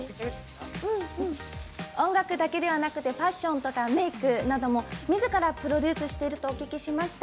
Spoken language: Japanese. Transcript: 音楽だけではなくてファッションとかメークなどもみずからプロデュースしてるとお聞きしました。